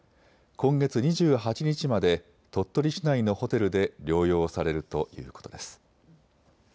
今月２８日まで鳥取市内のホテルで療養されるということです。